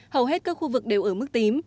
hầu hết các khu vực đều ở mức tím